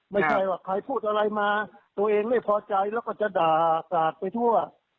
ไม่ใช่ว่าใครพูดอะไรมาตัวเองไม่พอใจแล้วก็จะด่ากราดไปทั่ว